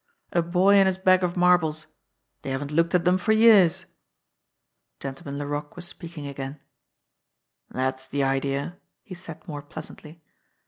"A boy and his bag of marbles. They haven't looked at them for years." Gentleman Laroque was speaking again. "That's the idea!" he said more pleasantly.